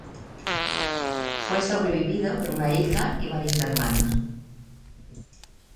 Fue sobrevivido por una hija y varios hermanos.